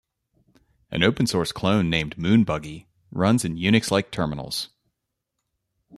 An open-source clone named "moon-buggy" runs in Unix-like terminals.